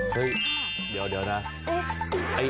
เฮ้ยเดี๋ยวนะ